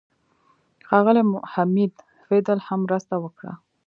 ښاغلي حمید فیدل هم مرسته وکړه.